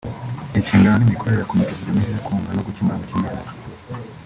inshingano n’imikorere ya komite zigamije kunga no gukemura amakimbirane